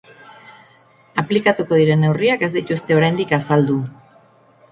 Aplikatuko diren neurriak ez dituzte oraindik azaldu.